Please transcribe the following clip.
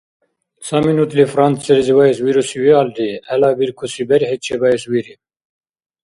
Ца минутли Франциялизи ваэс вируси виалри, гӀелабиркуси берхӀи чебаэс вири.